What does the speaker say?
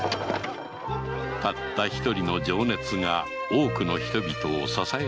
たった一人の情熱が多くの人々を支えることがある